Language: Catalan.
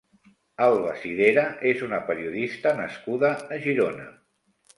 Alba Sidera és una periodista nascuda a Girona.